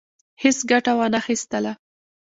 هیڅ ګټه وانه خیستله.